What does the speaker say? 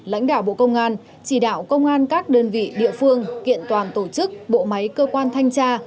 lãnh đạo bộ công an chỉ đạo công an các đơn vị địa phương kiện toàn tổ chức bộ máy cơ quan thanh tra